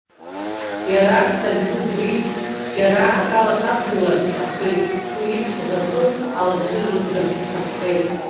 Иара саргьы убри џьара акала садгылар сҭаххеит, сгәы иҵхоз акы алацәырзгарц сҭаххеит.